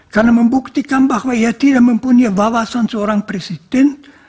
karena membuktikan bahwa ia tidak mempunyai wawasan seorang presiden